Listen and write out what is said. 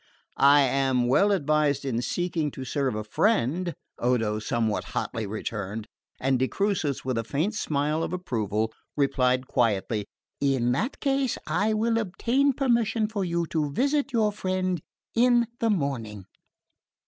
"I am well advised in seeking to serve a friend!" Odo somewhat hotly returned; and de Crucis, with a faint smile of approval, replied quietly: "In that case I will obtain permission for you to visit your friend in the morning."